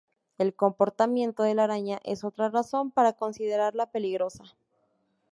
El comportamiento de la araña es otra razón para considerarla peligrosa.